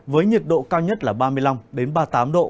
với nhiệt độ cao nhất là ba mươi năm ba mươi tám độ